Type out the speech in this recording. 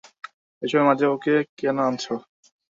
এসবের মাঝে ওকে কেন আনছ?